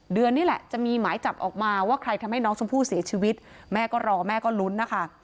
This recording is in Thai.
เดือนนี้แหละจะมีหมายจับออกมาว่าใครทำให้น้องชมพู่เสียชีวิตแม่ก็รอแม่ก็ลุ้นนะคะ